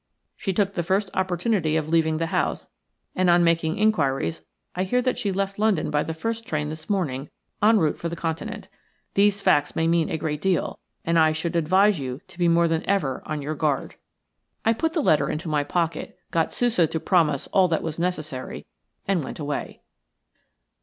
She took the first opportunity of leaving the house, and on making inquiries I hear that she left London by the first train this morning, en route for the Continent. These facts may mean a great deal, and I should advise you to be more than ever on your guard." I put the letter into my pocket, got Sousa to promise all that was necessary, and went away.